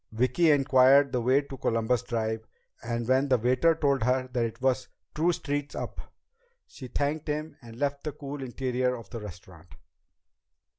Vicki inquired the way to Columbus Drive, and when the waiter told her that it was two streets up, she thanked him and left the cool interior of the restaurant.